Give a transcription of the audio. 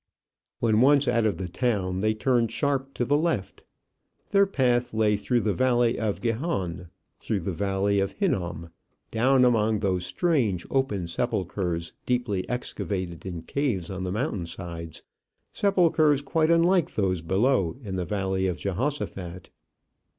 When once out of the town, they turned sharp to the left. Their path lay through the valley of Gihon, through the valley of Hinnom, down among those strange, open sepulchres, deeply excavated in caves on the mountain sides sepulchres quite unlike those below in the valley of Jehoshaphat.